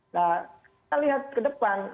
nah kita lihat ke depan